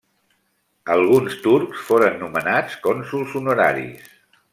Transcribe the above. Alguns turcs foren nomenats cònsols honoraris.